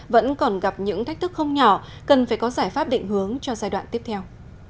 vẫn còn gặp những thách thức không nhỏ cần phải có giải pháp định hướng cho giai đoạn tiếp theo